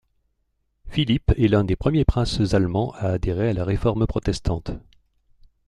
Philippe est l'un des premiers princes allemands à adhérer à la Réforme protestante.